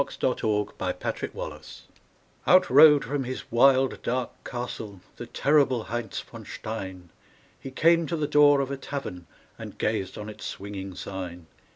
_ THE LEGEND OF HEINZ VON STEIN Out rode from his wild, dark castle The terrible Heinz von Stein; He came to the door of a tavern And gazed on its swinging sign.